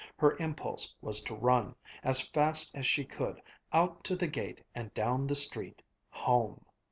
Her impulse was to run, as fast as she could, out to the gate and down the street home!